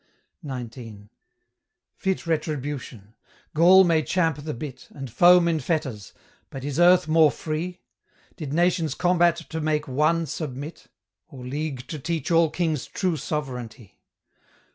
XIX. Fit retribution! Gaul may champ the bit, And foam in fetters, but is Earth more free? Did nations combat to make ONE submit; Or league to teach all kings true sovereignty?